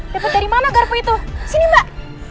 dapat dari mana garpu itu sini mbak